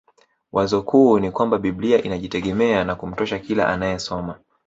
Wazo kuu ni kwamba biblia inajitegemea na kumtosha kila anayesoma